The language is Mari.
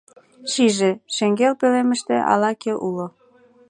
Шиже: шеҥгел пӧлемыште ала-кӧ уло.